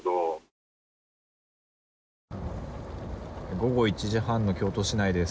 午後１時半の京都市内です。